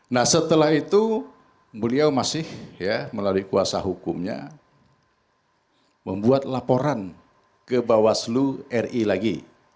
nah setelah itu beliau masih melalui kuasa hukumnya membuat laporan ke bawah seluruh ri